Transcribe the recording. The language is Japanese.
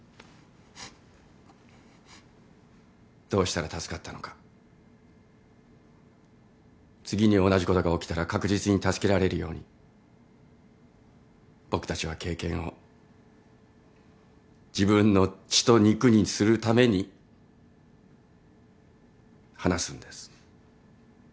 どうしたら助かったのか次に同じことが起きたら確実に助けられるように僕たちは経験を自分の血と肉にするために話すんです。